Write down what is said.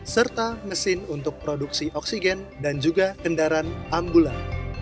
serta mesin untuk produksi oksigen dan juga kendaraan ambulan